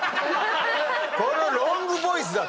このロングボイスだと。